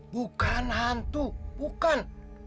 bukan hantu bukan